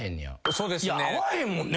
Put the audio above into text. そうですね。